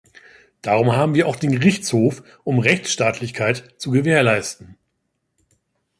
Darum haben wir auch den Gerichtshof, um Rechtsstaatlichkeit zu gewährleisten.